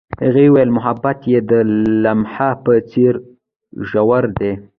هغې وویل محبت یې د لمحه په څېر ژور دی.